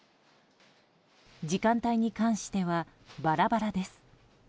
時間帯に関してはバラバラです。